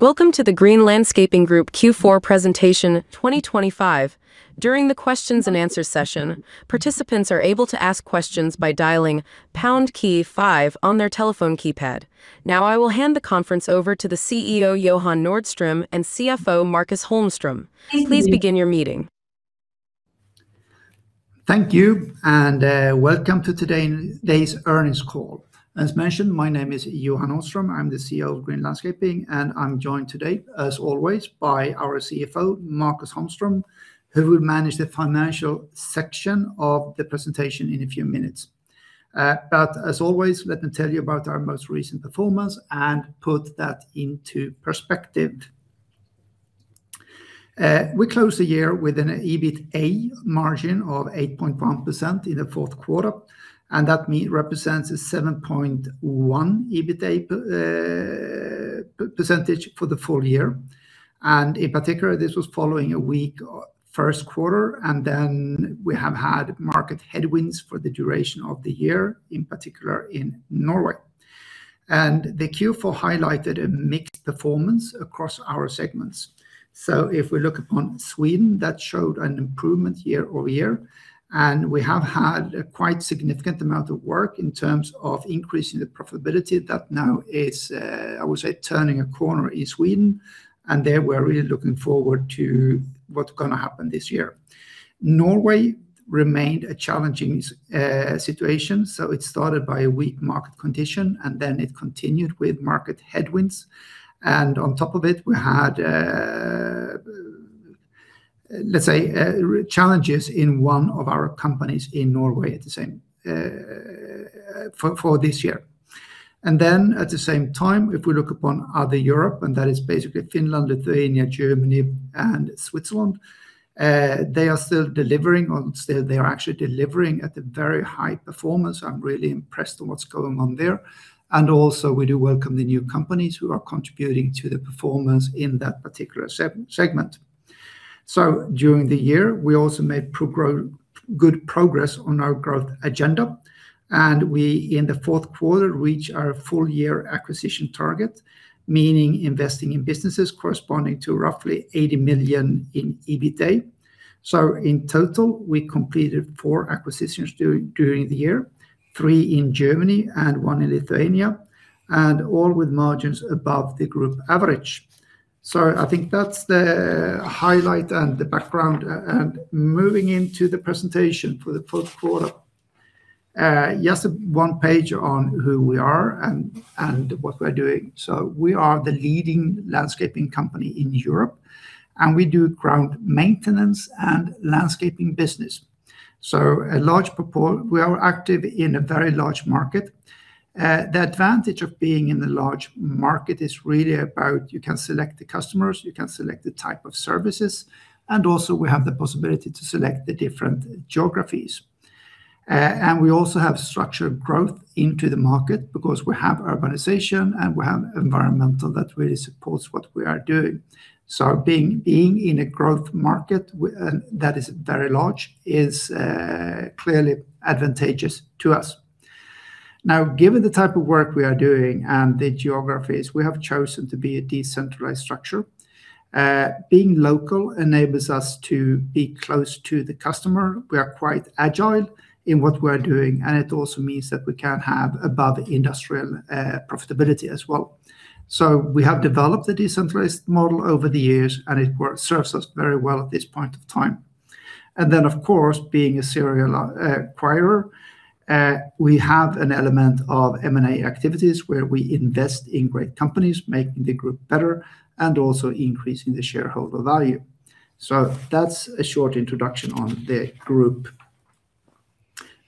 Welcome to the Green Landscaping Group Q4 presentation 2025. During the questions and answer session, participants are able to ask questions by dialing pound key five on their telephone keypad. Now, I will hand the conference over to the CEO, Johan Nordström, and CFO, Marcus Holmström. Please begin your meeting. Thank you, and welcome to today's earnings call. As mentioned, my name is Johan Nordström. I'm the CEO of Green Landscaping, and I'm joined today, as always, by our CFO, Marcus Holmström, who will manage the financial section of the presentation in a few minutes. But as always, let me tell you about our most recent performance and put that into perspective. We closed the year with an EBITA margin of 8.1% in the fourth quarter, and that represents a 7.1% EBITA percentage for the full year. And in particular, this was following a weak first quarter, and then we have had market headwinds for the duration of the year, in particular in Norway. And the Q4 highlighted a mixed performance across our segments. So if we look upon Sweden, that showed an improvement year-over-year, and we have had a quite significant amount of work in terms of increasing the profitability. That now is, I would say, turning a corner in Sweden, and there we're really looking forward to what's gonna happen this year. Norway remained a challenging situation, so it started by a weak market condition, and then it continued with market headwinds. And on top of it, we had, let's say, challenges in one of our companies in Norway at the same time for this year. And then, at the same time, if we look upon other Europe, and that is basically Finland, Lithuania, Germany, and Switzerland, they are still delivering on. They are actually delivering at a very high performance. I'm really impressed on what's going on there. And also, we do welcome the new companies who are contributing to the performance in that particular segment. So during the year, we also made good progress on our growth agenda, and we, in the fourth quarter, reached our full year acquisition target, meaning investing in businesses corresponding to roughly 80 million in EBITA. So in total, we completed 4 acquisitions during the year, 3 in Germany and 1 in Lithuania, and all with margins above the group average. So I think that's the highlight and the background, and moving into the presentation for the fourth quarter. Just one page on who we are and what we're doing. So we are the leading landscaping company in Europe, and we do ground maintenance and landscaping business. So we are active in a very large market. The advantage of being in a large market is really about you can select the customers, you can select the type of services, and also we have the possibility to select the different geographies. And we also have structured growth into the market because we have urbanization, and we have environmental that really supports what we are doing. So being in a growth market and that is very large is clearly advantageous to us. Now, given the type of work we are doing and the geographies, we have chosen to be a decentralized structure. Being local enables us to be close to the customer. We are quite agile in what we are doing, and it also means that we can have above industrial profitability as well. So we have developed the decentralized model over the years, and it serves us very well at this point of time. And then, of course, being a serial acquirer, we have an element of M&A activities where we invest in great companies, making the group better and also increasing the shareholder value. So that's a short introduction on the group.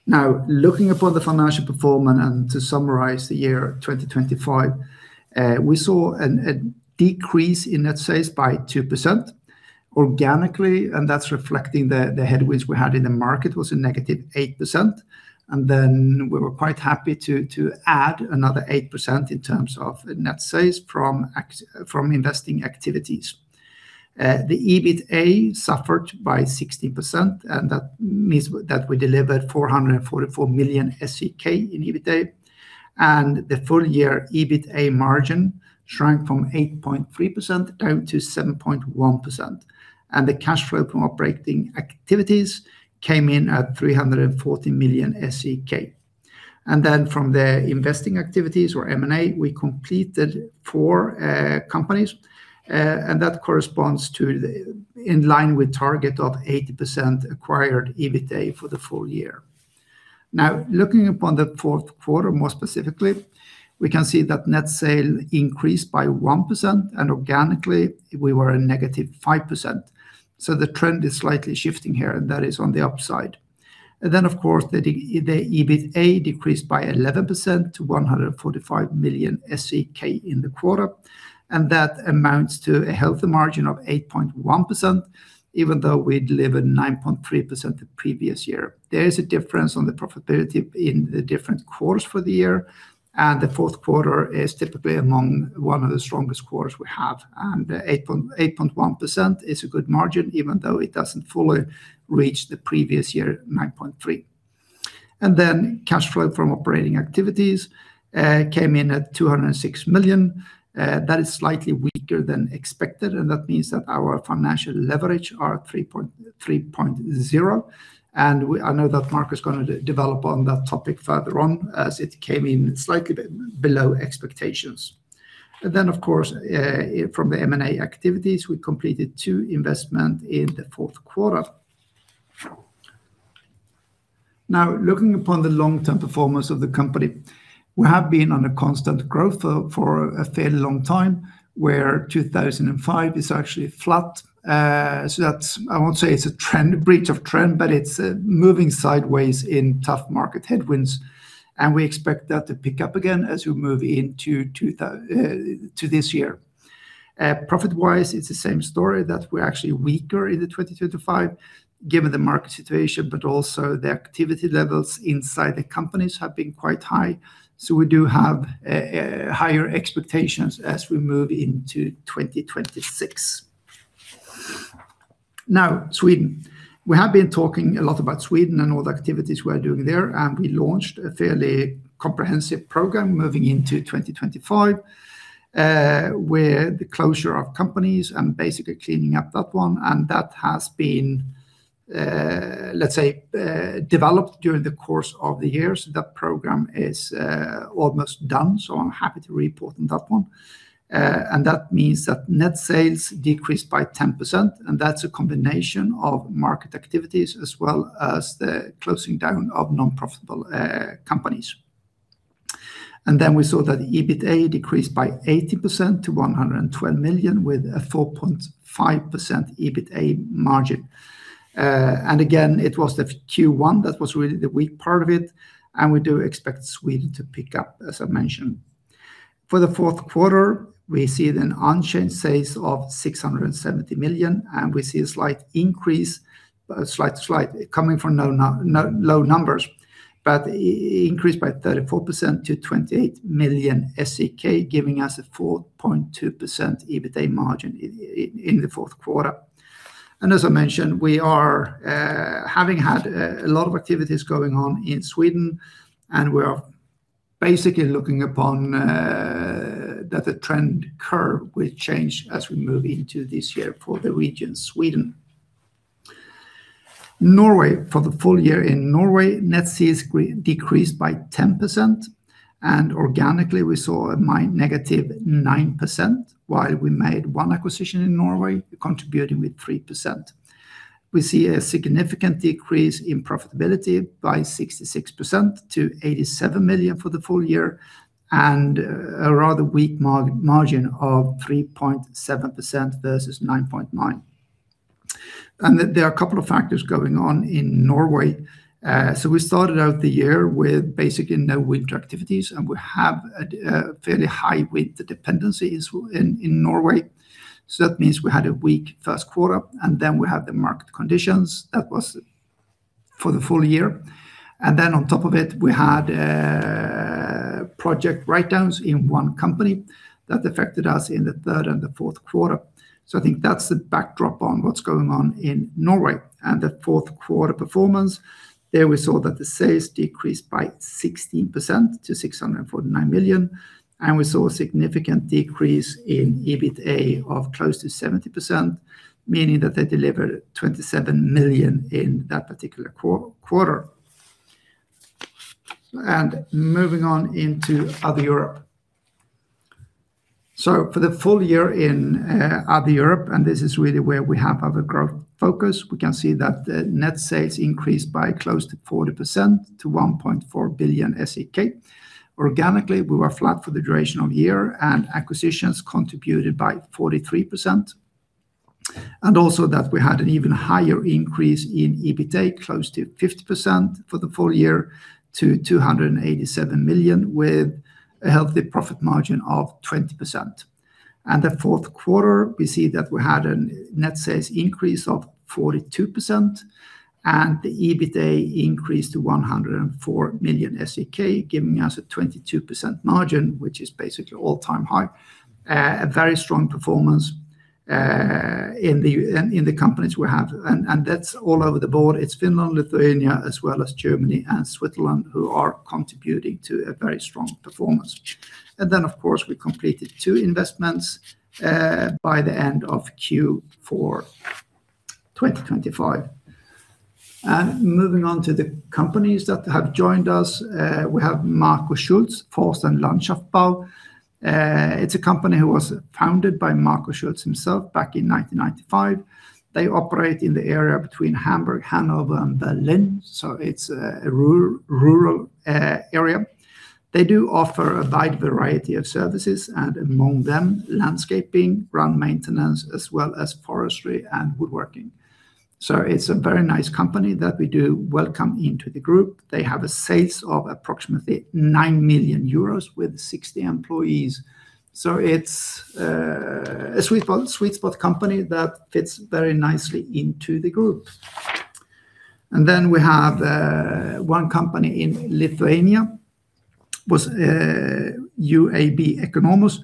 Now, looking upon the financial performance, and to summarize the year 2025, we saw a decrease in net sales by 2% organically, and that's reflecting the headwinds we had in the market was a negative 8%. And then we were quite happy to add another 8% in terms of net sales from investing activities. The EBITA suffered by 16%, and that means that we delivered 444 million SEK in EBITA, and the full year EBITA margin shrank from 8.3% down to 7.1%, and the cash flow from operating activities came in at 340 million SEK. And then from the investing activities, or M&A, we completed four companies, and that corresponds to in line with target of 80% acquired EBITA for the full year. Now, looking upon the fourth quarter, more specifically, we can see that net sales increased by 1%, and organically, we were -5%. So the trend is slightly shifting here, and that is on the upside. And then, of course, the EBITA decreased by 11% to 145 million SEK in the quarter, and that amounts to a healthy margin of 8.1%, even though we delivered 9.3% the previous year. There is a difference on the profitability in the different quarters for the year, and the fourth quarter is typically among one of the strongest quarters we have. Eight point one percent is a good margin, even though it doesn't fully reach the previous year, nine point three, and then cash flow from operating activities came in at 206 million. That is slightly weaker than expected, and that means that our financial leverage are 3.0. I know that Marcus is going to elaborate on that topic further on, as it came in slightly below expectations. But then, of course, from the M&A activities, we completed two investments in the fourth quarter. Now, looking upon the long-term performance of the company, we have been on a constant growth for a fairly long time, where 2025 is actually flat. So that's—I won't say it's a trend, breach of trend, but it's moving sideways in tough market headwinds, and we expect that to pick up again as we move into this year. Profit-wise, it's the same story, that we're actually weaker in the 2022-2025, given the market situation, but also the activity levels inside the companies have been quite high. So we do have higher expectations as we move into 2026. Now, Sweden. We have been talking a lot about Sweden and all the activities we are doing there, and we launched a fairly comprehensive program moving into 2025, where the closure of companies and basically cleaning up that one, and that has been, let's say, developed during the course of the years. That program is almost done, so I'm happy to report on that one. That means that net sales decreased by 10%, and that's a combination of market activities as well as the closing down of non-profitable companies. Then we saw that the EBITA decreased by 80% to 112 million, with a 4.5% EBITA margin. And again, it was the Q1 that was really the weak part of it, and we do expect Sweden to pick up, as I mentioned. For the fourth quarter, we see unchanged sales of 670 million, and we see a slight increase coming from low numbers, but increased by 34% to 28 million SEK, giving us a 4.2% EBITA margin in the fourth quarter. And as I mentioned, we are having had a lot of activities going on in Sweden, and we are basically looking upon that the trend curve will change as we move into this year for the region, Sweden. Norway, for the full year in Norway, net sales decreased by 10%, and organically, we saw a negative 9%, while we made one acquisition in Norway, contributing with 3%. We see a significant decrease in profitability by 66% to 87 million for the full year, and a rather weak margin of 3.7% versus 9.9%. And there are a couple of factors going on in Norway. So we started out the year with basically no winter activities, and we have a fairly high winter dependencies in Norway. So that means we had a weak first quarter, and then we had the market conditions. That was for the full year. And then on top of it, we had project writedowns in one company that affected us in the third and the fourth quarter. So I think that's the backdrop on what's going on in Norway. And the fourth quarter performance, there we saw that the sales decreased by 16% to 649 million, and we saw a significant decrease in EBITA of close to 70%, meaning that they delivered 27 million in that particular quarter. And moving on into other Europe. So for the full year in other Europe, and this is really where we have other growth focus, we can see that the net sales increased by close to 40% to 1.4 billion SEK. Organically, we were flat for the duration of the year, and acquisitions contributed by 43%. And also that we had an even higher increase in EBITA, close to 50% for the full year, to 287 million, with a healthy profit margin of 20%. The fourth quarter, we see that we had a net sales increase of 42%, and the EBITA increased to 104 million SEK, giving us a 22% margin, which is basically all-time high. A very strong performance in the companies we have, and that's all over the board. It's Finland, Lithuania, as well as Germany and Switzerland, who are contributing to a very strong performance. Then, of course, we completed two investments by the end of Q4 2025. Moving on to the companies that have joined us, we have Marco Schulz Forst- und Landschaftsbau. It's a company who was founded by Marco Schulz himself back in 1995. They operate in the area between Hamburg, Hanover, and Berlin, so it's a rural area. They do offer a wide variety of services, and among them, landscaping, ground maintenance, as well as forestry and woodworking. So it's a very nice company that we do welcome into the group. They have a sales of approximately 9 million euros with 60 employees. So it's a sweet spot, sweet spot company that fits very nicely into the group. And then we have one company in Lithuania, UAB Economus.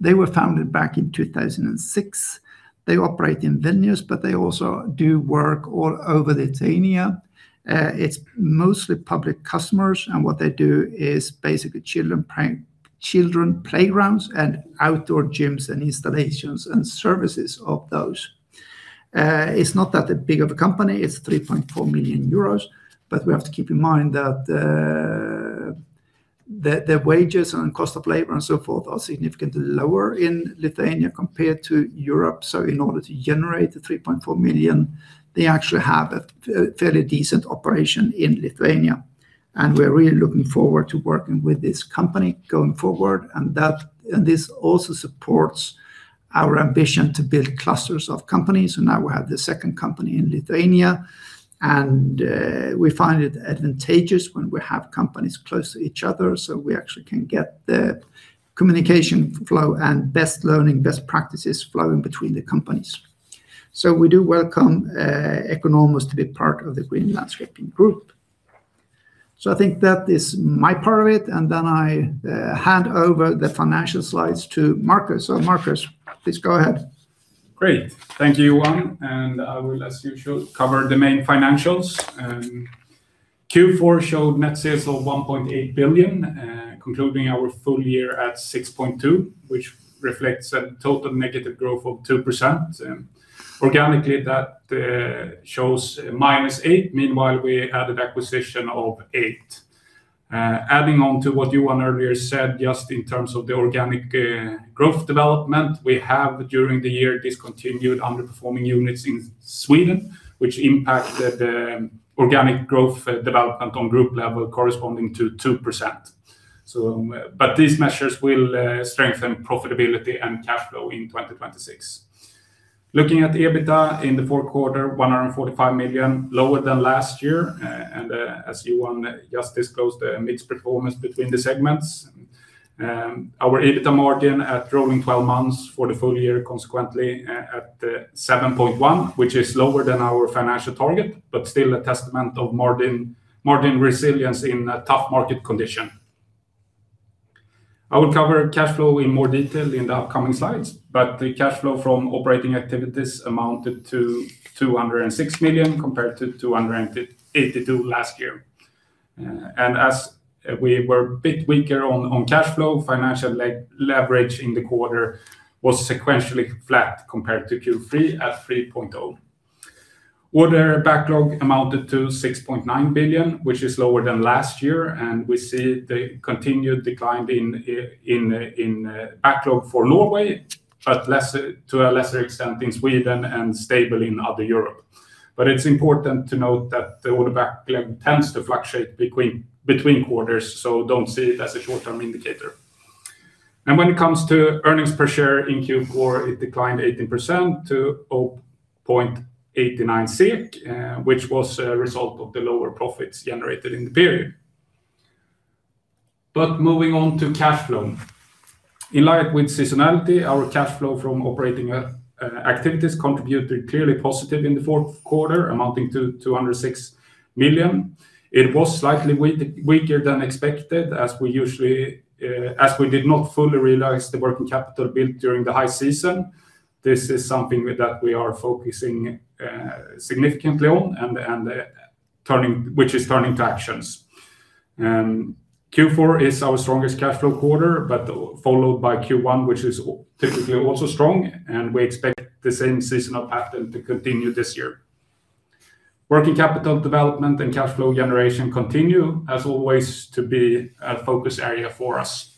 They were founded back in 2006. They operate in Vilnius, but they also do work all over Lithuania. It's mostly public customers, and what they do is basically children playgrounds, and outdoor gyms, and installations, and services of those. It's not that big of a company. It's 3.4 million euros, but we have to keep in mind that the wages and cost of labor and so forth are significantly lower in Lithuania compared to Europe. So in order to generate the 3.4 million, they actually have a fairly decent operation in Lithuania, and we're really looking forward to working with this company going forward, and that. And this also supports our ambition to build clusters of companies, so now we have the second company in Lithuania. And we find it advantageous when we have companies close to each other, so we actually can get the communication flow and best learning, best practices flowing between the companies. So we do welcome Economus to be part of the Green Landscaping Group. So I think that is my part of it, and then I hand over the financial slides to Marcus. So, Marcus, please go ahead. Great. Thank you, Johan, and I will, as usual, cover the main financials. Q4 showed net sales of 1.8 billion, concluding our full year at 6.2 billion, which reflects a total negative growth of 2%. Organically, that shows -8%. Meanwhile, we added acquisition of 8. Adding on to what Johan earlier said, just in terms of the organic growth development, we have, during the year, discontinued underperforming units in Sweden, which impacted the organic growth development on group level corresponding to 2%. But these measures will strengthen profitability and cash flow in 2026. Looking at the EBITA in the fourth quarter, 145 million, lower than last year. And as Johan just disclosed, a mixed performance between the segments. Our EBITA margin at rolling twelve months for the full year, consequently, at 7.1%, which is lower than our financial target, but still a testament of margin resilience in a tough market condition. I will cover cash flow in more detail in the upcoming slides, but the cash flow from operating activities amounted to 206 million, compared to 282 million last year. And as we were a bit weaker on cash flow, financial leverage in the quarter was sequentially flat compared to Q3 at 3.0. Order backlog amounted to 6.9 billion, which is lower than last year, and we see the continued decline in backlog for Norway, but to a lesser extent in Sweden and stable in other Europe. But it's important to note that the order backlog tends to fluctuate between quarters, so don't see it as a short-term indicator. When it comes to earnings per share in Q4, it declined 18% to 0.89 SEK, which was a result of the lower profits generated in the period. But moving on to cash flow. In line with seasonality, our cash flow from operating activities contributed clearly positive in the fourth quarter, amounting to 206 million. It was slightly weaker than expected, as we did not fully realize the working capital built during the high season. This is something that we are focusing significantly on and turning, which is turning to actions. Q4 is our strongest cash flow quarter, but followed by Q1, which is typically also strong, and we expect the same seasonal pattern to continue this year. Working capital development and cash flow generation continue, as always, to be a focus area for us.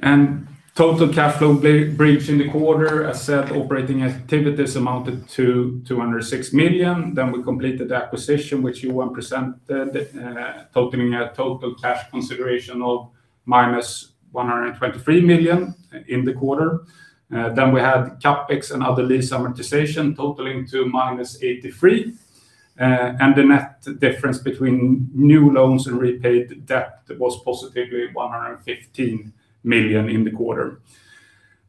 And total cash flow bridge in the quarter, as said, operating activities amounted to 206 million. Then we completed the acquisition, which Johan presented, totaling a total cash consideration of 123 million in the quarter. Then we had CapEx and other lease amortization totaling to -83 million. And the net difference between new loans and repaid debt was positive 115 million in the quarter.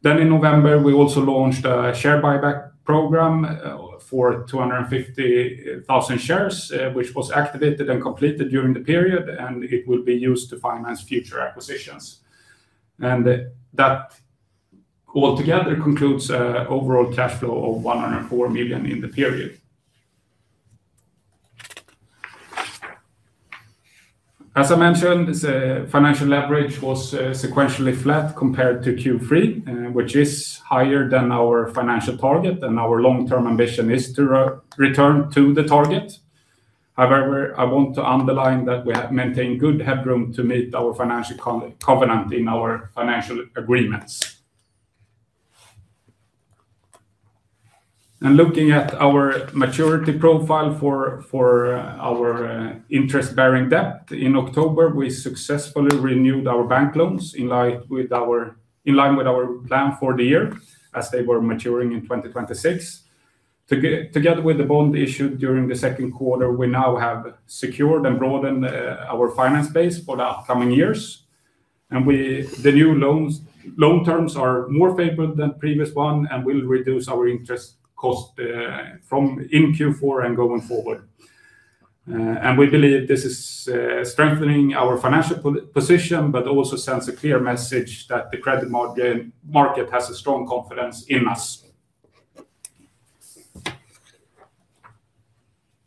Then in November, we also launched a share buyback program for 250,000 shares, which was activated and completed during the period, and it will be used to finance future acquisitions. That altogether concludes overall cash flow of 104 million in the period. As I mentioned, the financial leverage was sequentially flat compared to Q3, which is higher than our financial target, and our long-term ambition is to return to the target. However, I want to underline that we have maintained good headroom to meet our financial covenant in our financial agreements. Looking at our maturity profile for our interest-bearing debt, in October, we successfully renewed our bank loans in line with our plan for the year, as they were maturing in 2026. Together with the bond issued during the second quarter, we now have secured and broadened our finance base for the upcoming years. The new loans, loan terms are more favorable than previous one, and we'll reduce our interest cost from in Q4 and going forward. We believe this is strengthening our financial position, but also sends a clear message that the credit market has a strong confidence in us.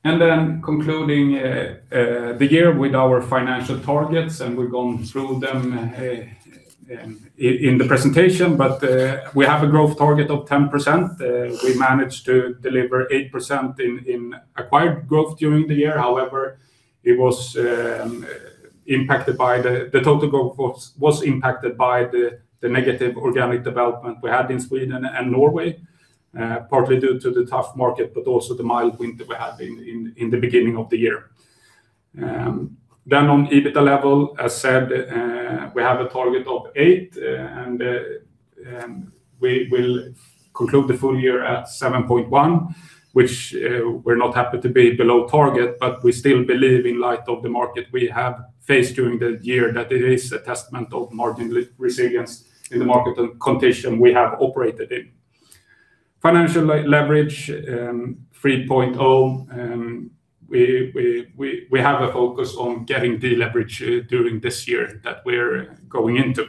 Concluding the year with our financial targets, and we've gone through them in the presentation. But we have a growth target of 10%. We managed to deliver 8% in acquired growth during the year. However, the total growth was impacted by the negative organic development we had in Sweden and Norway, partly due to the tough market, but also the mild winter we had in the beginning of the year. Then on EBITA level, as said, we have a target of 8, and we will conclude the full year at 7.1, which we're not happy to be below target, but we still believe in light of the market we have faced during the year, that it is a testament of margin resilience in the market and condition we have operated in. Financial leverage, 3.0, we have a focus on getting deleverage during this year that we're going into.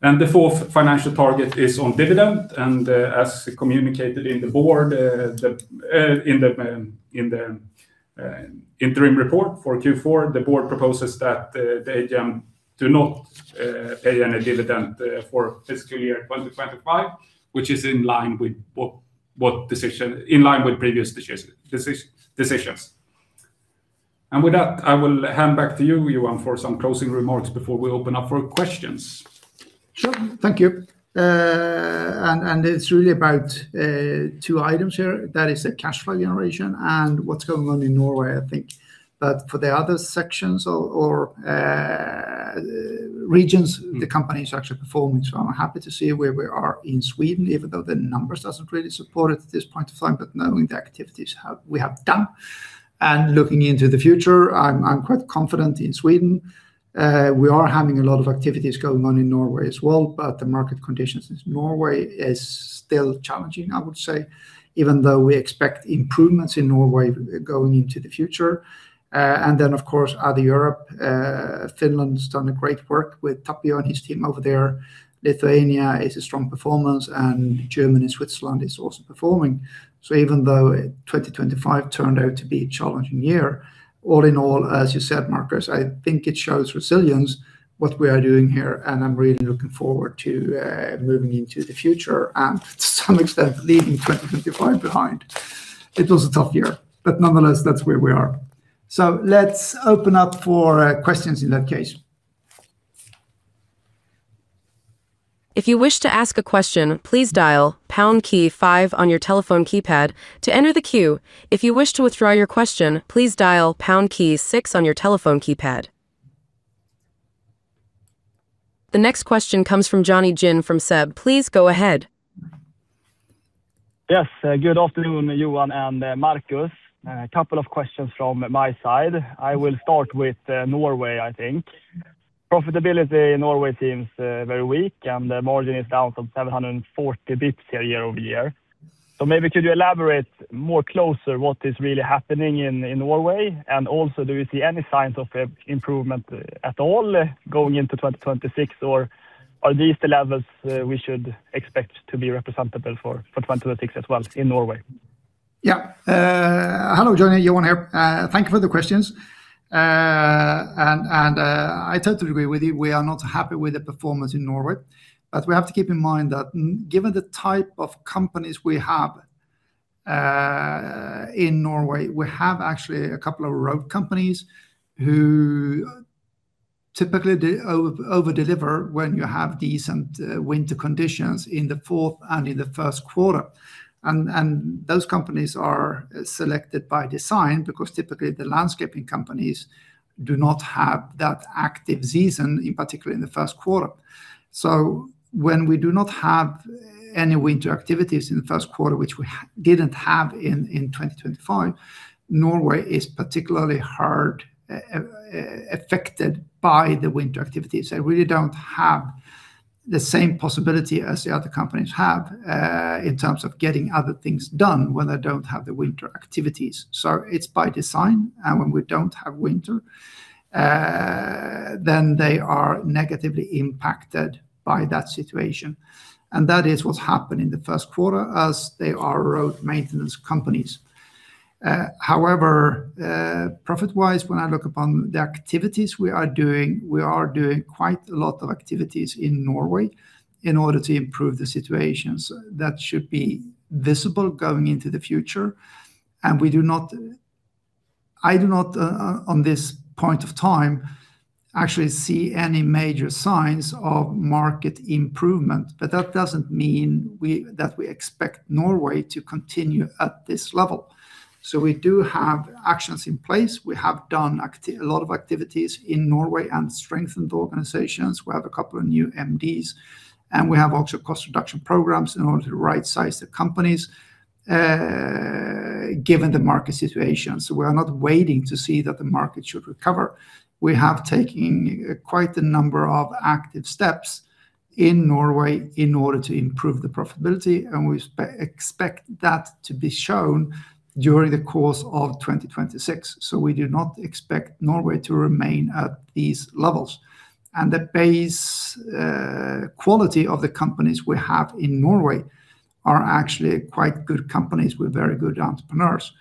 The fourth financial target is on dividend, and as communicated by the board in the interim report for Q4, the board proposes that the AGM do not pay any dividend for fiscal year 2025, which is in line with the decision in line with previous decisions. And with that, I will hand back to you, Johan, for some closing remarks before we open up for questions. Sure. Thank you. And it's really about two items here. That is the cash flow generation and what's going on in Norway, I think. But for the other sections or regions, the company is actually performing, so I'm happy to see where we are in Sweden, even though the numbers doesn't really support it at this point of time, but knowing the activities we have done. And looking into the future, I'm quite confident in Sweden. We are having a lot of activities going on in Norway as well, but the market conditions in Norway is still challenging, I would say, even though we expect improvements in Norway going into the future. And then, of course, other Europe, Finland's done a great work with Tapio and his team over there. Lithuania is a strong performance, and Germany and Switzerland is also performing. So even though 2025 turned out to be a challenging year, all in all, as you said, Marcus, I think it shows resilience, what we are doing here, and I'm really looking forward to moving into the future and to some extent, leaving 2025 behind. It was a tough year, but nonetheless, that's where we are. So let's open up for questions in that case. If you wish to ask a question, please dial pound key five on your telephone keypad to enter the queue. If you wish to withdraw your question, please dial pound key six on your telephone keypad. The next question comes from Johnny Jin from SEB. Please go ahead. Yes, good afternoon, Johan and Marcus. A couple of questions from my side. I will start with Norway, I think. Profitability in Norway seems very weak, and the margin is down from 740 basis points year-over-year. So maybe could you elaborate more closer what is really happening in, in Norway? And also, do you see any signs of improvement at all, going into 2026, or are these the levels we should expect to be representable for, for 2026 as well in Norway? Yeah. Hello, Johnny, Johan here. Thank you for the questions. I totally agree with you. We are not happy with the performance in Norway, but we have to keep in mind that given the type of companies we have in Norway, we have actually a couple of road companies who typically they over-deliver when you have decent winter conditions in the fourth and in the first quarter. And those companies are selected by design because typically the landscaping companies do not have that active season, in particular in the first quarter. So when we do not have any winter activities in the first quarter, which we didn't have in 2025, Norway is particularly hard affected by the winter activities. They really don't have the same possibility as the other companies have in terms of getting other things done when they don't have the winter activities. So it's by design, and when we don't have winter, then they are negatively impacted by that situation, and that is what happened in the first quarter as they are road maintenance companies. However, profit-wise, when I look upon the activities we are doing, we are doing quite a lot of activities in Norway in order to improve the situations that should be visible going into the future, and we do not, I do not, on this point of time, actually see any major signs of market improvement, but that doesn't mean that we expect Norway to continue at this level. So we do have actions in place. We have done a lot of activities in Norway and strengthened organizations. We have a couple of new MDs, and we have also cost reduction programs in order to rightsize the companies, given the market situation. So we are not waiting to see that the market should recover. We have taken quite a number of active steps in Norway in order to improve the profitability, and we expect that to be shown during the course of 2026. So we do not expect Norway to remain at these levels. And the base quality of the companies we have in Norway are actually quite good companies with very good entrepreneurs.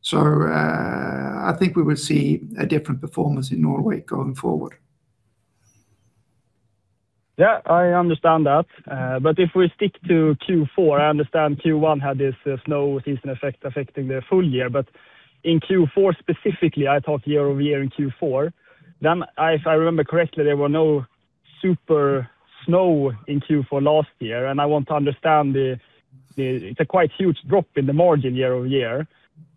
So I think we will see a different performance in Norway going forward. Yeah, I understand that. But if we stick to Q4, I understand Q1 had this snow season effect affecting the full year. But in Q4 specifically, I talk year-over-year in Q4, then if I remember correctly, there were no super snow in Q4 last year, and I want to understand it's a quite huge drop in the margin year-over-year.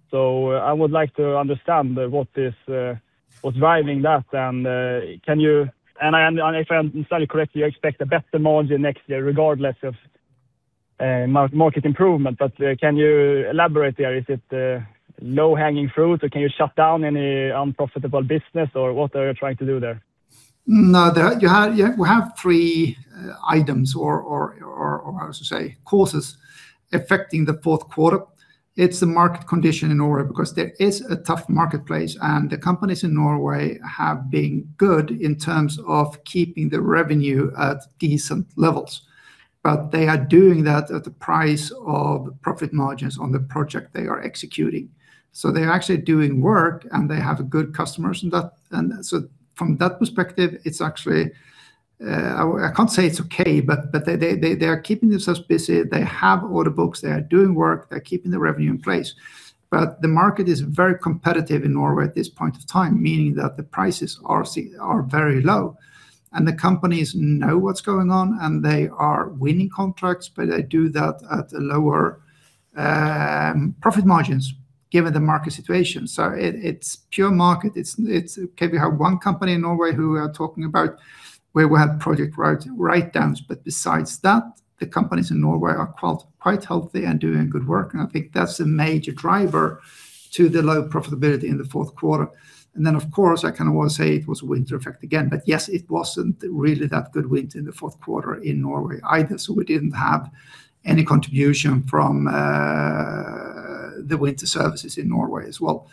So I would like to understand what was driving that. And can you. And I, and if I understand correctly, you expect a better margin next year, regardless of market improvement. But can you elaborate there? Is it low-hanging fruit, or can you shut down any unprofitable business, or what are you trying to do there? No, there are, yeah, we have three items or I should say, causes affecting the fourth quarter. It's the market condition in Norway, because there is a tough marketplace, and the companies in Norway have been good in terms of keeping the revenue at decent levels. But they are doing that at the price of profit margins on the project they are executing. So they're actually doing work, and they have good customers, and that, and so from that perspective, it's actually I can't say it's okay, but they are keeping themselves busy. They have order books, they are doing work, they're keeping the revenue in place. But the market is very competitive in Norway at this point of time, meaning that the prices are very low. And the companies know what's going on, and they are winning contracts, but they do that at a lower profit margins given the market situation. So it's pure market. Okay, we have one company in Norway who we are talking about, where we had project write-downs, but besides that, the companies in Norway are quite healthy and doing good work. And I think that's a major driver to the low profitability in the fourth quarter. And then, of course, I can always say it was a winter effect again. But yes, it wasn't really that good winter in the fourth quarter in Norway either, so we didn't have any contribution from the winter services in Norway as well.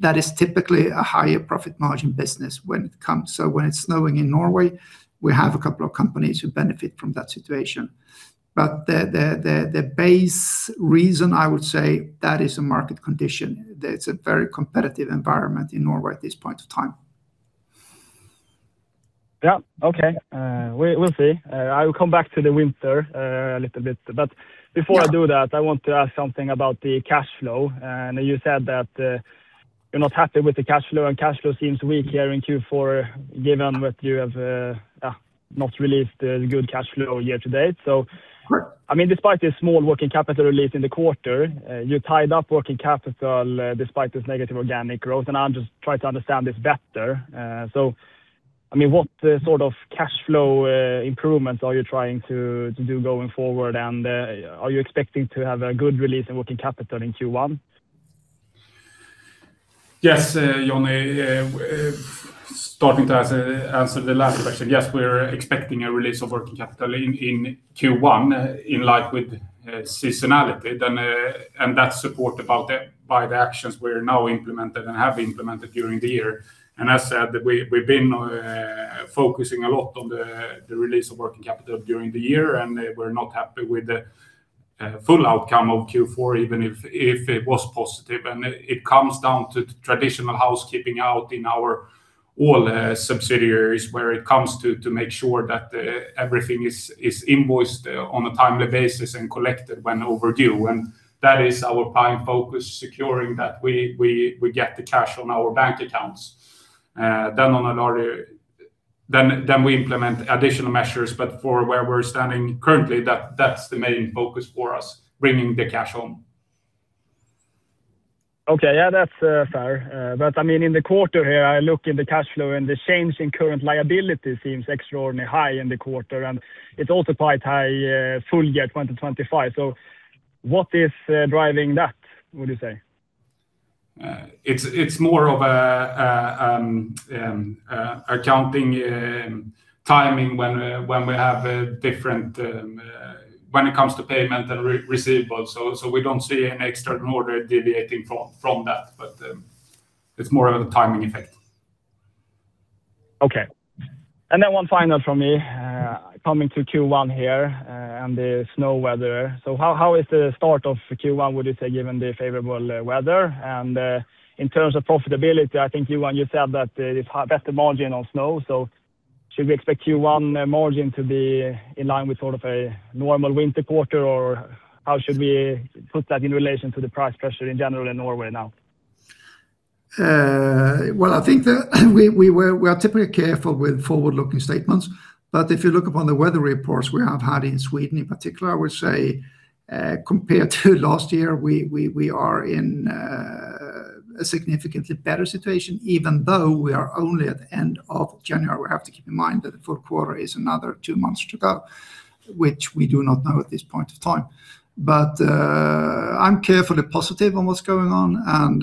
That is typically a higher profit margin business when it comes. So when it's snowing in Norway, we have a couple of companies who benefit from that situation. But the base reason I would say, that is a market condition. That it's a very competitive environment in Norway at this point in time. Yeah, okay. We'll see. I will come back to the winter a little bit. But before I do that, I want to ask something about the cash flow. And you said that you're not happy with the cash flow, and cash flow seems weak here in Q4, given that you have not released the good cash flow year to date. So Sure I mean, despite this small working capital release in the quarter, you tied up working capital, despite this negative organic growth. I'll just try to understand this better. So I mean, what sort of cash flow improvements are you trying to do going forward? And are you expecting to have a good release in working capital in Q1? Yes, Johnny, starting to answer the last question. Yes, we're expecting a release of working capital in Q1, in line with seasonality. Then that's supported by the actions we have now implemented and have implemented during the year. As said, we've been focusing a lot on the release of working capital during the year, and we're not happy with the full outcome of Q4, even if it was positive. It comes down to traditional housekeeping out in all our subsidiaries, where it comes to make sure that everything is invoiced on a timely basis and collected when overdue. That is our prime focus, securing that we get the cash on our bank accounts. Then we implement additional measures, but for where we're standing currently, that's the main focus for us, bringing the cash home. Okay. Yeah, that's fair. But I mean, in the quarter here, I look in the cash flow, and the change in current liability seems extraordinarily high in the quarter, and it's also quite high full year 2025. So what is driving that, would you say? It's more of an accounting timing when it comes to payment and receivable. So we don't see any extraordinary deviation from that, but it's more of a timing effect. Okay. And then one final from me, coming to Q1 here, and the snow weather. So how is the start of Q1, would you say, given the favorable weather? And, in terms of profitability, I think you, and you said that, it's better margin on snow. Should we expect Q1 margin to be in line with sort of a normal winter quarter? Or how should we put that in relation to the price pressure in general in Norway now? Well, I think that we are typically careful with forward-looking statements, but if you look upon the weather reports we have had in Sweden in particular, I would say, compared to last year, we are in a significantly better situation, even though we are only at the end of January. We have to keep in mind that the fourth quarter is another two months to go, which we do not know at this point of time. But, I'm carefully positive on what's going on, and,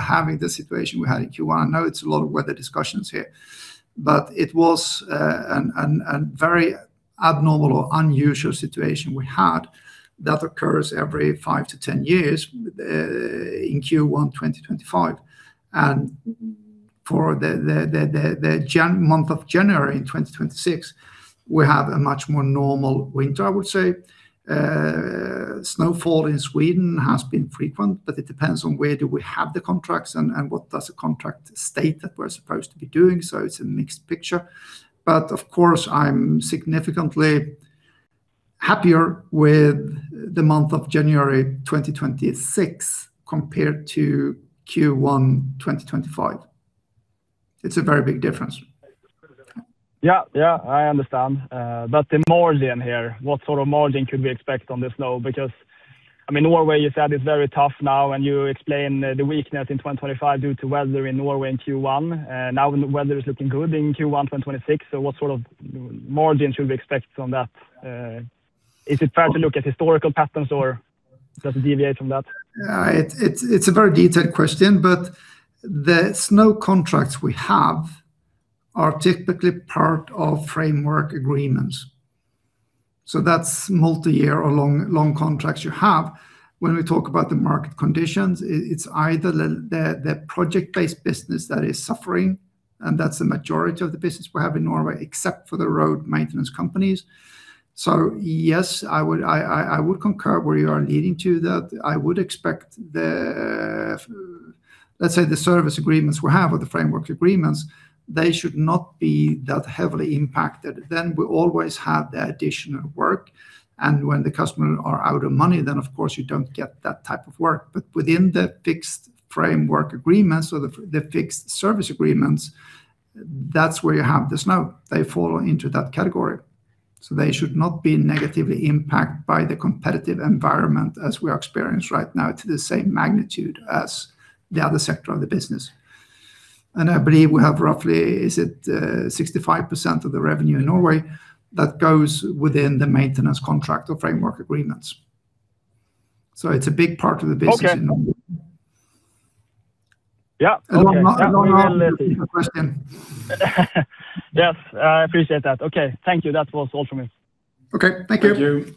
having the situation we had in Q1, I know it's a lot of weather discussions here, but it was a very abnormal or unusual situation we had that occurs every five to 10 years in Q1 2025. For the month of January in 2026, we have a much more normal winter, I would say. Snowfall in Sweden has been frequent, but it depends on where do we have the contracts and what does the contract state that we're supposed to be doing, so it's a mixed picture. But of course, I'm significantly happier with the month of January 2026, compared to Q1 2025. It's a very big difference. Yeah. Yeah, I understand. But the margin here, what sort of margin could we expect on the snow? Because, I mean, Norway, you said, is very tough now, and you explained the weakness in 2025 due to weather in Norway in Q1. Now the weather is looking good in Q1 2026, so what sort of margin should we expect on that? Is it fair to look at historical patterns or does it deviate from that? It's a very detailed question, but the snow contracts we have are typically part of framework agreements, so that's multiyear or long, long contracts you have. When we talk about the market conditions, it's either the project-based business that is suffering, and that's the majority of the business we have in Norway, except for the road maintenance companies. So, yes, I would concur where you are leading to that. I would expect the, let's say, the service agreements we have or the framework agreements, they should not be that heavily impacted. Then we always have the additional work, and when the customer are out of money, then of course you don't get that type of work. But within the fixed framework agreements or the fixed service agreements, that's where you have the snow. They fall into that category, so they should not be negatively impacted by the competitive environment as we are experienced right now, to the same magnitude as the other sector of the business. I believe we have roughly, is it, 65% of the revenue in Norway that goes within the maintenance contract or framework agreements? So it's a big part of the business in Norway. Okay. Yeah. And I'm not Yeah, we will let The question. Yes, I appreciate that. Okay. Thank you. That was all from me. Okay, thank you. Thank you.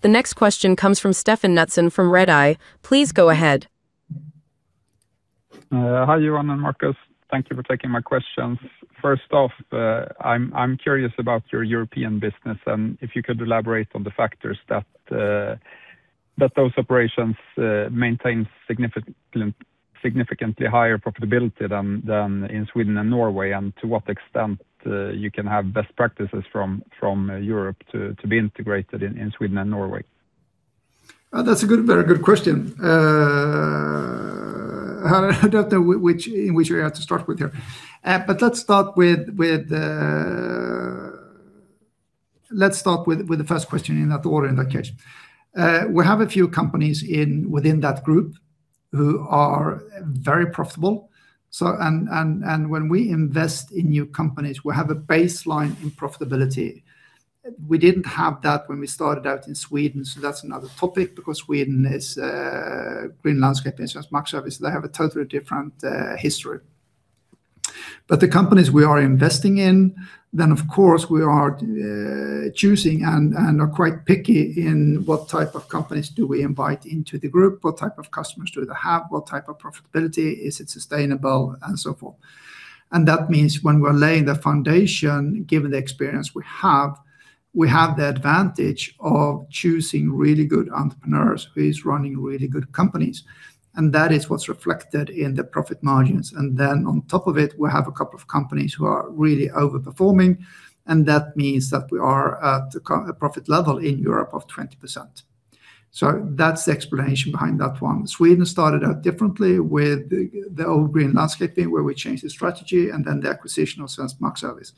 The next question comes from Stefan Knutsson from Redeye. Please go ahead. Hi, Johan and Marcus. Thank you for taking my questions. First off, I'm curious about your European business, and if you could elaborate on the factors that those operations maintain significantly higher profitability than in Sweden and Norway, and to what extent you can have best practices from Europe to be integrated in Sweden and Norway? That's a good, very good question. I don't know which area to start with here. But let's start with the first question in that order, in that case. We have a few companies within that group who are very profitable. So, and when we invest in new companies, we have a baseline in profitability. We didn't have that when we started out in Sweden, so that's another topic, because Sweden is Green Landscaping, Svensk Markservice, they have a totally different history. But the companies we are investing in, then, of course, we are choosing and are quite picky in what type of companies do we invite into the group, what type of customers do they have, what type of profitability, is it sustainable, and so forth. That means when we're laying the foundation, given the experience we have, we have the advantage of choosing really good entrepreneurs who is running really good companies, and that is what's reflected in the profit margins. Then on top of it, we have a couple of companies who are really overperforming, and that means that we are at a profit level in Europe of 20%. That's the explanation behind that one. Sweden started out differently with the old Green Landscaping, where we changed the strategy and then the acquisition of Svensk Markservice.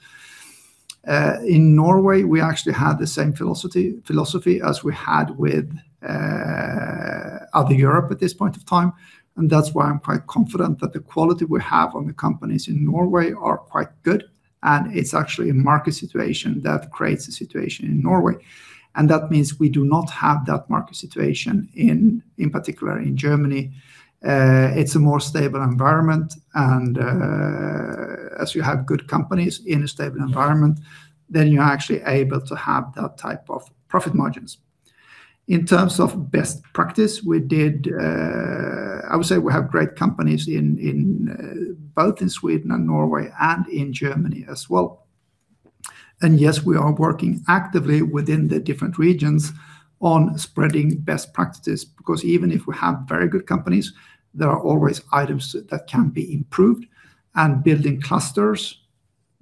In Norway, we actually had the same philosophy as we had with other Europe at this point of time, and that's why I'm quite confident that the quality we have on the companies in Norway are quite good, and it's actually a market situation that creates the situation in Norway. And that means we do not have that market situation in particular in Germany. It's a more stable environment, and as you have good companies in a stable environment, then you're actually able to have that type of profit margins. In terms of best practice, I would say we have great companies in both in Sweden and Norway and in Germany as well. And yes, we are working actively within the different regions on spreading best practices, because even if we have very good companies, there are always items that can be improved. And building clusters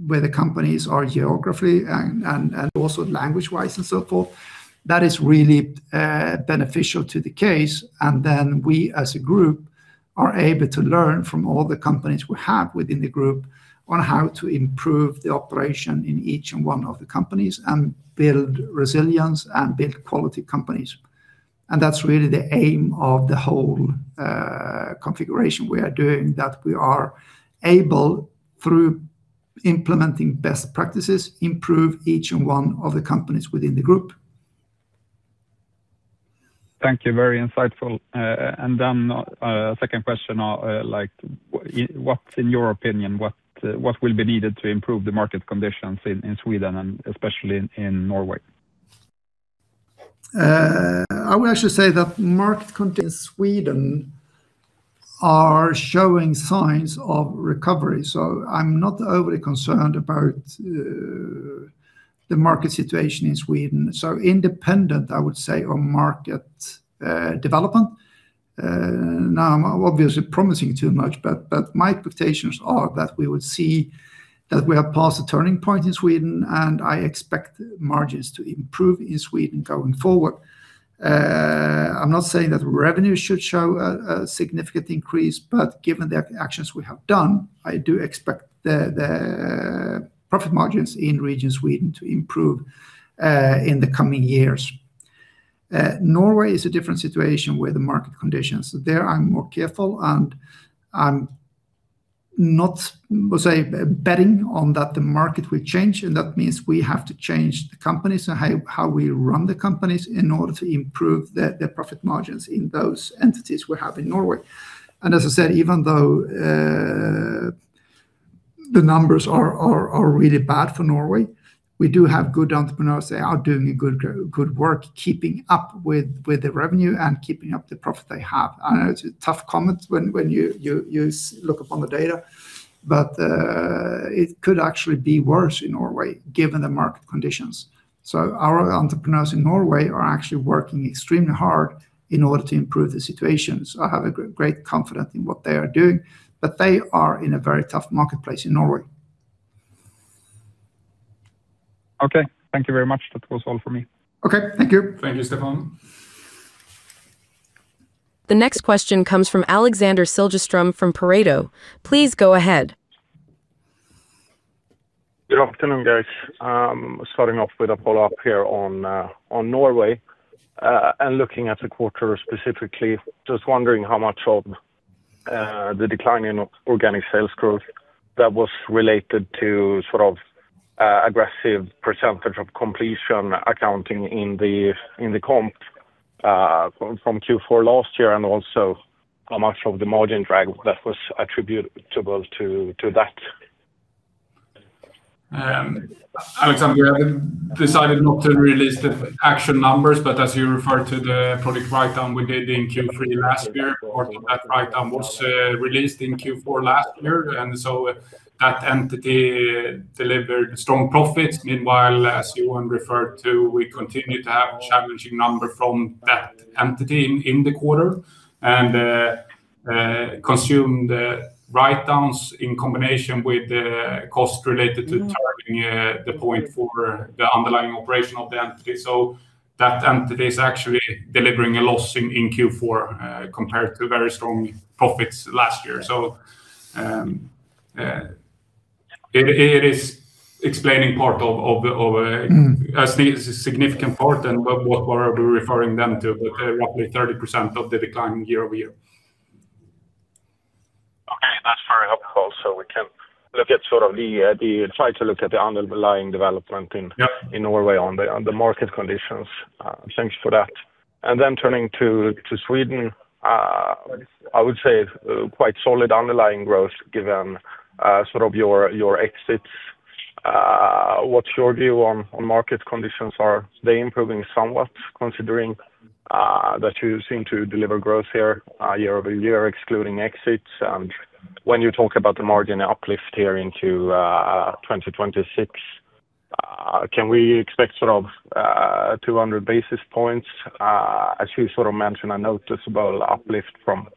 where the companies are geography and also language-wise and so forth, that is really beneficial to the case. And then we, as a group, are able to learn from all the companies we have within the group on how to improve the operation in each and one of the companies, and build resilience, and build quality companies. And that's really the aim of the whole configuration. We are doing that. We are able, through implementing best practices, improve each and one of the companies within the group. Thank you. Very insightful. And then, second question, like, what, in your opinion, what will be needed to improve the market conditions in Sweden and especially in Norway? I would actually say that market conditions in Sweden are showing signs of recovery, so I'm not overly concerned about the market situation in Sweden. So independent, I would say, on market development, now I'm obviously promising too much, but my expectations are that we would see that we have passed the turning point in Sweden, and I expect margins to improve in Sweden going forward. I'm not saying that revenue should show a significant increase, but given the actions we have done, I do expect the profit margins in region Sweden to improve in the coming years. Norway is a different situation, where the market conditions, there I'm more careful, and I'm not, we'll say, betting on that the market will change, and that means we have to change the companies and how we run the companies in order to improve the profit margins in those entities we have in Norway. And as I said, even though the numbers are really bad for Norway, we do have good entrepreneurs. They are doing a good work, keeping up with the revenue and keeping up the profit they have. I know it's a tough comment when you look upon the data, but it could actually be worse in Norway, given the market conditions. So our entrepreneurs in Norway are actually working extremely hard in order to improve the situation. So I have a great confidence in what they are doing, but they are in a very tough marketplace in Norway. Okay, thank you very much. That was all for me. Okay, thank you. Thank you, Stefan. The next question comes from Alexander Siljeström from Pareto. Please go ahead. Good afternoon, guys. Starting off with a follow-up here on Norway, and looking at the quarter specifically, just wondering how much of the decline in organic sales growth that was related to sort of aggressive percentage of completion accounting in the comp from Q4 last year, and also how much of the margin drag that was attributable to that? Alexander, we have decided not to release the actual numbers, but as you refer to the previous write-down we did in Q3 last year, part of that write-down was released in Q4 last year, and so that entity delivered strong profits. Meanwhile, as Johan referred to, we continue to have challenging numbers from that entity in the quarter. Additional write-downs in combination with the costs related to tackling the pain points of the underlying operation of the entity. So that entity is actually delivering a loss in Q4 compared to very strong profits last year. It is explaining a significant part of what we are referring to, but roughly 30% of the decline year-over-year. Okay, that's very helpful. So we can look at sort of the underlying development in- Yeah In Norway on the market conditions. Thanks for that. Then turning to Sweden, I would say quite solid underlying growth given sort of your exits. What's your view on market conditions? Are they improving somewhat, considering that you seem to deliver growth here year-over-year, excluding exits? And when you talk about the margin uplift here into 2026, can we expect sort of 200 basis points? As you sort of mentioned, a noticeable uplift from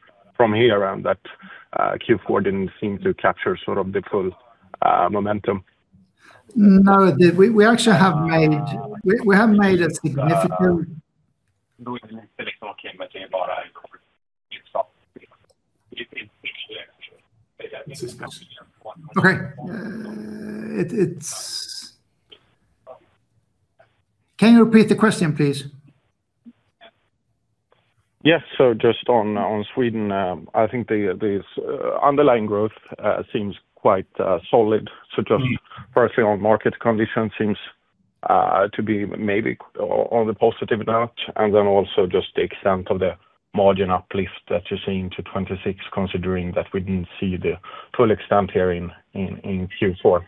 here, and that Q4 didn't seem to capture sort of the full momentum. No. We actually have made a significant. Okay. Can you repeat the question, please? Yes. So just on Sweden, I think the underlying growth seems quite solid. So just firstly, on market conditions seems to be maybe on the positive note, and then also just the extent of the margin uplift that you're seeing to 26, considering that we didn't see the full extent here in Q4.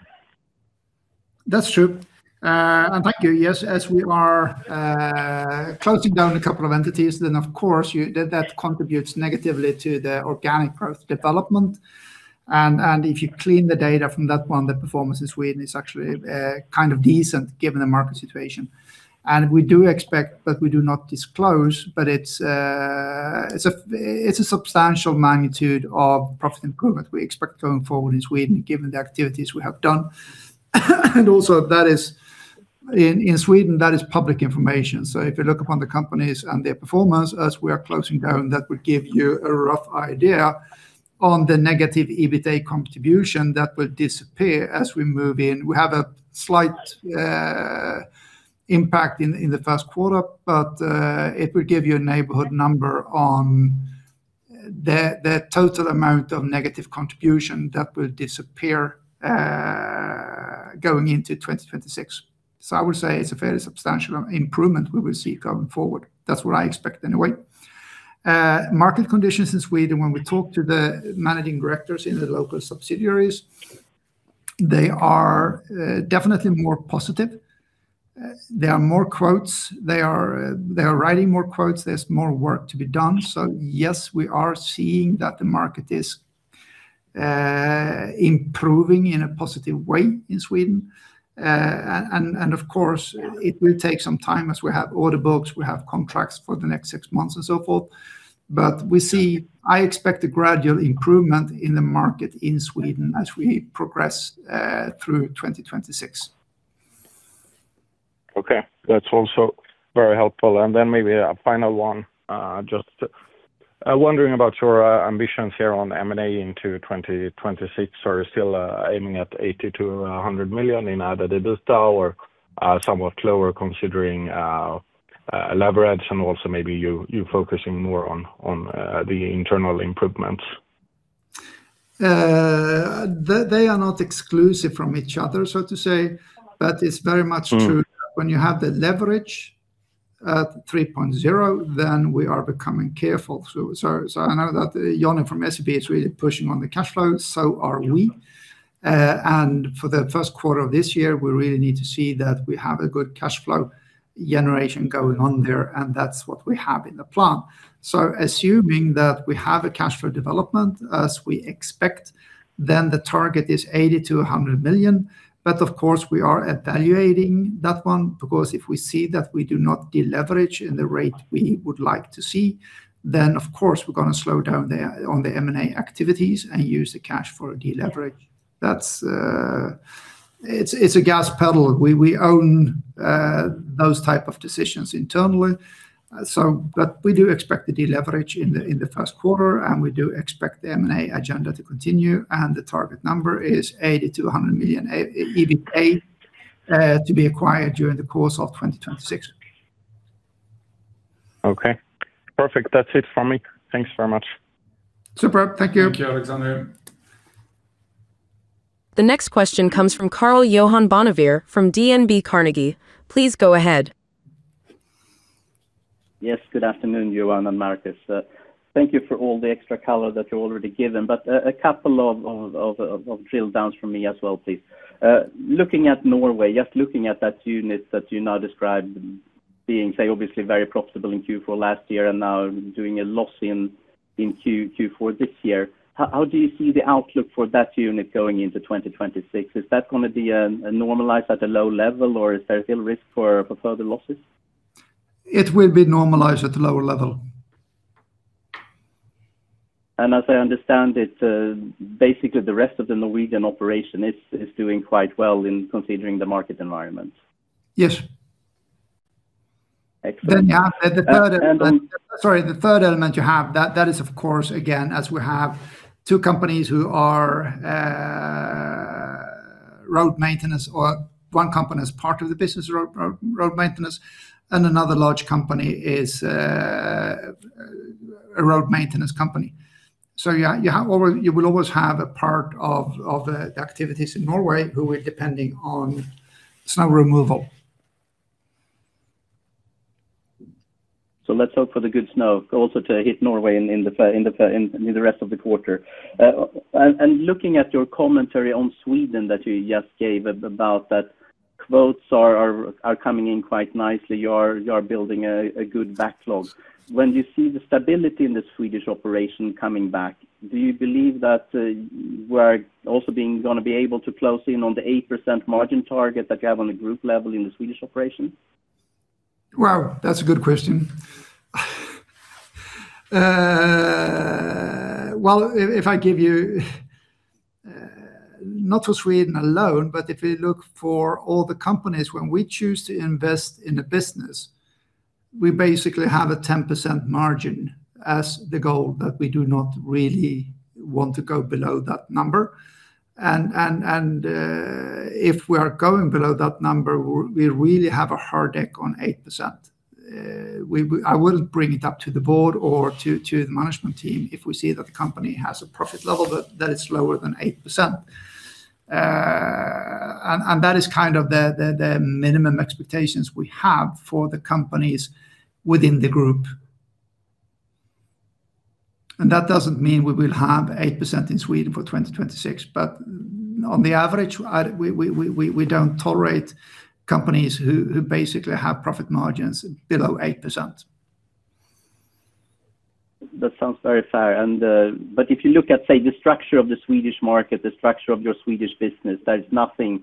That's true. And thank you. Yes, as we are closing down a couple of entities, then, of course, that contributes negatively to the organic growth development. And if you clean the data from that one, the performance in Sweden is actually kind of decent, given the market situation. And we do expect, but we do not disclose, but it's a substantial magnitude of profit improvement we expect going forward in Sweden, given the activities we have done. And also that is in Sweden, that is public information. So if you look upon the companies and their performance as we are closing down, that would give you a rough idea on the negative EBITA contribution that will disappear as we move in. We have a slight impact in the first quarter, but it will give you a neighborhood number on the total amount of negative contribution that will disappear going into 2026. So I would say it's a fairly substantial improvement we will see going forward. That's what I expect, anyway. Market conditions in Sweden, when we talk to the managing directors in the local subsidiaries, they are definitely more positive. There are more quotes. They are writing more quotes. There's more work to be done. So yes, we are seeing that the market is improving in a positive way in Sweden. And of course, it will take some time, as we have order books, we have contracts for the next six months, and so forth. But I expect a gradual improvement in the market in Sweden as we progress through 2026. Okay, that's also very helpful. And then maybe a final one. Just wondering about your ambitions here on M&A into 2026. Are you still aiming at 80 million-100 million in added EBITA or somewhat lower, considering leverage, and also maybe you focusing more on the internal improvements? They are not exclusive from each other, so to say, but it's very much true that when you have the leverage at 3.0, then we are becoming careful. So, I know that Johnny from SEB is really pushing on the cash flow. So are we. And for the first quarter of this year, we really need to see that we have a good cash flow generation going on there, and that's what we have in the plan. So assuming that we have a cash flow development as we expect, then the target is 80 million-100 million. But of course, we are evaluating that one, because if we see that we do not deleverage in the rate we would like to see, then, of course, we're gonna slow down the, on the M&A activities and use the cash flow to deleverage. That's It's a gas pedal. We own those type of decisions internally, so but we do expect the deleverage in the first quarter, and we do expect the M&A agenda to continue, and the target number is 80 million-100 million EBITA to be acquired during the course of 2026. Okay, perfect. That's it for me. Thanks very much. Superb. Thank you. Thank you, Alexander. The next question comes from Karl-Johan Bonnevier from DNB Carnegie. Please go ahead. Yes, good afternoon, Johan and Marcus. Thank you for all the extra color that you've already given, but a couple of drill downs from me as well, please. Looking at Norway, just looking at that unit that you now described being, say, obviously very profitable in Q4 last year and now doing a loss in Q4 this year, how do you see the outlook for that unit going into 2026? Is that gonna be normalized at a low level, or is there still risk for further losses? It will be normalized at the lower level. As I understand it, basically, the rest of the Norwegian operation is doing quite well in considering the market environment. Yes. Excellent. Then you have the third element- And, and Sorry, the third element you have, that is, of course, again, as we have two companies who are road maintenance, or one company is part of the business road, road maintenance, and another large company is a road maintenance company. So yeah, you have always, you will always have a part of the activities in Norway who are depending on snow removal. So let's hope for the good snow also to hit Norway in the rest of the quarter. And looking at your commentary on Sweden that you just gave about that quotes are coming in quite nicely, you are building a good backlog. When do you see the stability in the Swedish operation coming back? Do you believe that we are also gonna be able to close in on the 8% margin target that you have on the group level in the Swedish operation? Well, that's a good question. Well, if, if I give you not for Sweden alone, but if we look for all the companies, when we choose to invest in a business, we basically have a 10% margin as the goal, that we do not really want to go below that number. And if we are going below that number, we really have a hard deck on 8%. We would. I will bring it up to the board or to the management team if we see that the company has a profit level that is lower than 8%. And that is kind of the minimum expectations we have for the companies within the group. And that doesn't mean we will have 8% in Sweden for 2026, but on the average, we don't tolerate companies who basically have profit margins below 8%. That sounds very fair. But if you look at, say, the structure of the Swedish market, the structure of your Swedish business, there's nothing,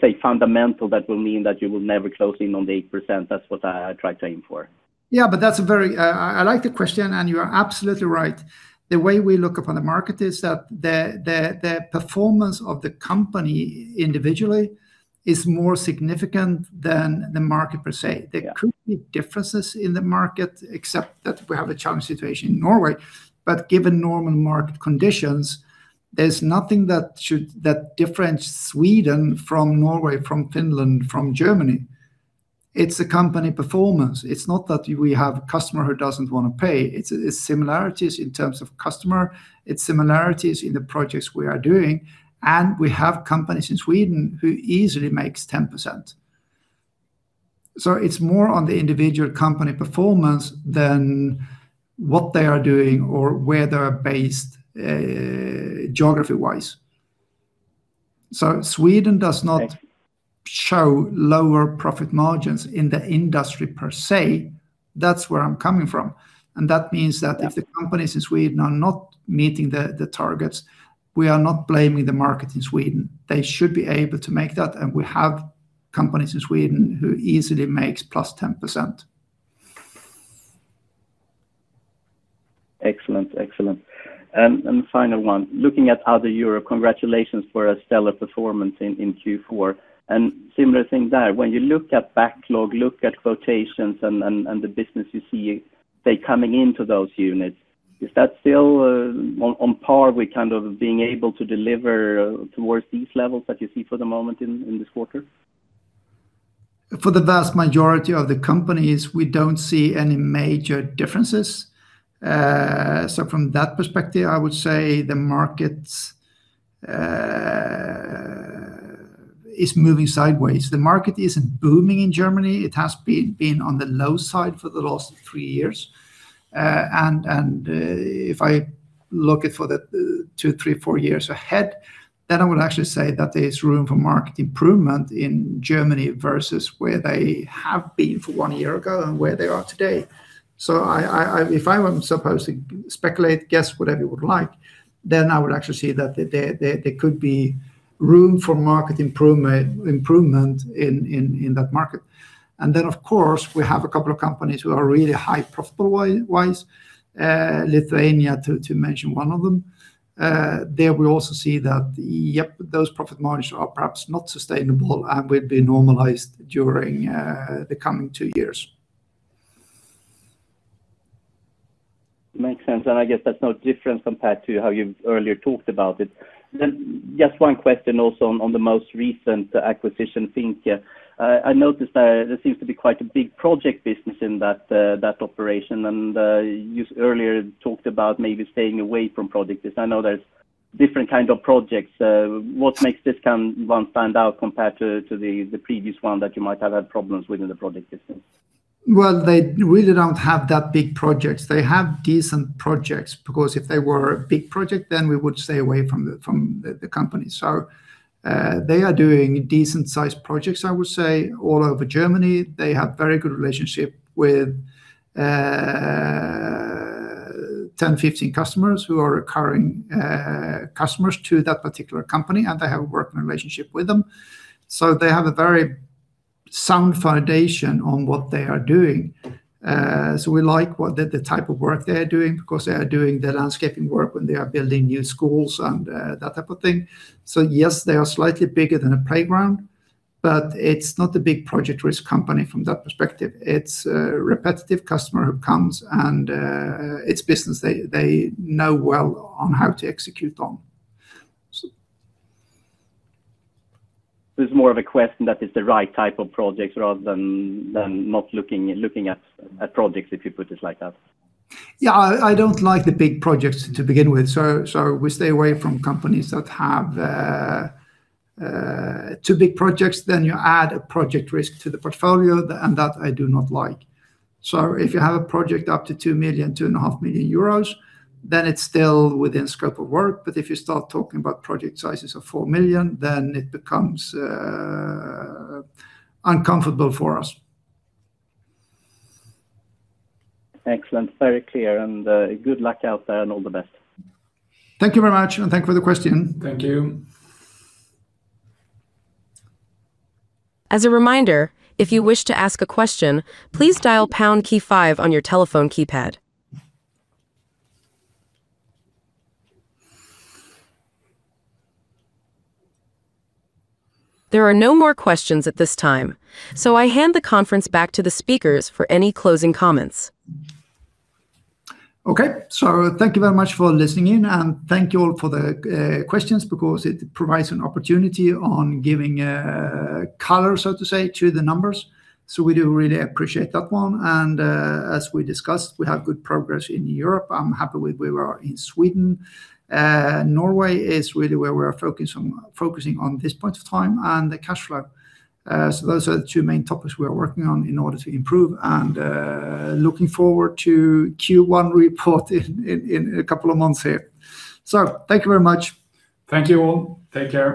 say, fundamental that will mean that you will never close in on the 8%. That's what I, I try to aim for. Yeah, but that's a very I like the question, and you are absolutely right. The way we look upon the market is that the performance of the company individually is more significant than the market, per se. Yeah. There could be differences in the market, except that we have a challenging situation in Norway. But given normal market conditions, there's nothing that differentiates Sweden from Norway, from Finland, from Germany. It's a company performance. It's not that we have a customer who doesn't want to pay. It's, it's similarities in terms of customer, it's similarities in the projects we are doing, and we have companies in Sweden who easily makes 10%. So it's more on the individual company performance than what they are doing or where they're based, geography-wise. So Sweden does not- Okay show lower profit margins in the industry, per se. That's where I'm coming from, and that means that- Yeah if the companies in Sweden are not meeting the targets, we are not blaming the market in Sweden. They should be able to make that, and we have companies in Sweden who easily makes plus 10%. Excellent. Excellent. And the final one, looking at other Europe, congratulations for a stellar performance in Q4. And similar thing there, when you look at backlog, look at quotations and the business you see they coming into those units, is that still on par with kind of being able to deliver towards these levels that you see for the moment in this quarter? For the vast majority of the companies, we don't see any major differences. So from that perspective, I would say the market is moving sideways. The market isn't booming in Germany. It has been on the low side for the last 3 years. And if I look at for the 2, 3, 4 years ahead, then I would actually say that there's room for market improvement in Germany versus where they have been for 1 year ago and where they are today. So if I were supposed to speculate, guess, whatever you would like, then I would actually say that there could be room for market improvement in that market. And then, of course, we have a couple of companies who are really high profitability-wise. Lithuania, to mention one of them. There we also see that, yep, those profit margins are perhaps not sustainable and will be normalized during the coming two years. Makes sense, and I guess that's no different compared to how you've earlier talked about it. Just one question also on, on the most recent acquisition, Fink Stauf. I noticed that there seems to be quite a big project business in that, that operation, and, you earlier talked about maybe staying away from project business. I know there's different kind of projects. What makes this one stand out compared to, to the, the previous one that you might have had problems with in the project business? Well, they really don't have that big projects. They have decent projects, because if they were a big project, then we would stay away from the company. So, they are doing decent-sized projects, I would say, all over Germany. They have very good relationship with 10, 15 customers who are recurring customers to that particular company, and they have a working relationship with them. So they have a very sound foundation on what they are doing. So we like what they, the type of work they are doing, because they are doing the landscaping work when they are building new schools and that type of thing. So yes, they are slightly bigger than a playground, but it's not a big project risk company from that perspective. It's a repetitive customer who comes, and, it's business they know well on how to execute on. So This is more of a question that it's the right type of projects rather than not looking at projects, if you put it like that? Yeah. I, I don't like the big projects to begin with, so, so we stay away from companies that have too big projects. Then you add a project risk to the portfolio, and that I do not like. So if you have a project up to 2 million, 2.5 million euros, then it's still within scope of work. But if you start talking about project sizes of 4 million, then it becomes uncomfortable for us. Excellent. Very clear, and good luck out there, and all the best. Thank you very much, and thank you for the question. Thank you. As a reminder, if you wish to ask a question, please dial pound key five on your telephone keypad. There are no more questions at this time, so I hand the conference back to the speakers for any closing comments. Okay. So thank you very much for listening in, and thank you all for the, questions because it provides an opportunity on giving, color, so to say, to the numbers. So we do really appreciate that one, and, as we discussed, we have good progress in Europe. I'm happy with where we are in Sweden. Norway is really where we are focus on, focusing on this point of time and the cash flow. So those are the two main topics we are working on in order to improve, and, looking forward to Q1 report in a couple of months here. So thank you very much. Thank you all. Take care.